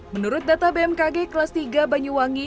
menurut data bmkg kelas tiga banyuwangi